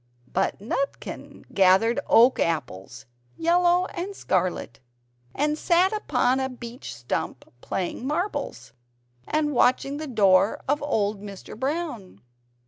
But Nutkin gathered oak apples yellow and scarlet and sat upon a beech stump playing marbles, and watching the door of old Mr. Brown.